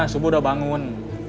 subuh udah bangun